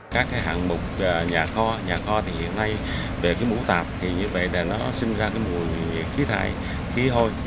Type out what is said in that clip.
các hạng mục nhà kho nhà kho thì hiện nay về cái mũ tạp thì như vậy là nó sinh ra cái mùi khí thải khí hôi